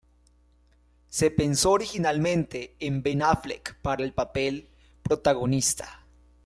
Se pensó originalmente en Ben Affleck para el papel protagonista.